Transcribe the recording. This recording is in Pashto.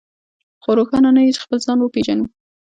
خو روښانه نه يو چې خپل ځان وپېژنو.